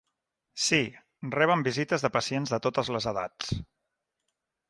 Sí, reben visites de pacients de totes les edats.